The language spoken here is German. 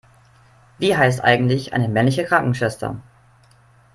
Wie heißt eigentlich eine männliche Krankenschwester?